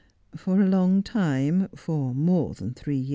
For a long time — for more than three year.'?